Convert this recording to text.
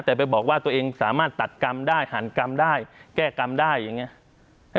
แต่ไปบอกว่าตัวเองสามารถตัดกรรมได้หันกรรมได้แก้กรรมได้อย่างนี้